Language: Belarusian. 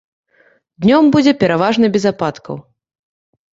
Днём будзе пераважна без ападкаў.